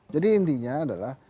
jadi intinya adalah